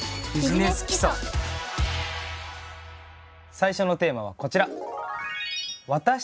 最初のテーマはこちら。